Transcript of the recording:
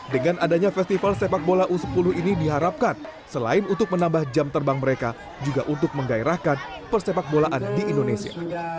dengan adanya festival sepak bola u sepuluh ini diharapkan selain untuk menambah jam terbang mereka juga untuk menggairahkan persepak bolaan di indonesia